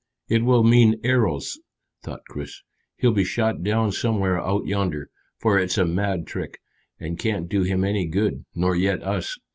"It will mean arrows," thought Chris. "He'll be shot down somewhere out yonder, for it's a mad trick, and can't do him any good, nor yet us.